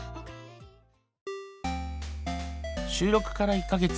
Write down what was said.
収録から１か月。